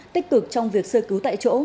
tích cực trong việc sơ cứu tại chỗ